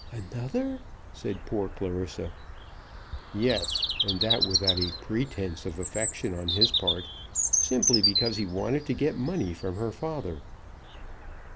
"Another?" said poor Clarissa. "Yes, and that without a pretence of affection on his part, simply because he wanted to get money from her father."